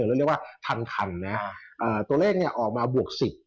เรียกว่าทันนะตัวเลขออกมาบวก๑๐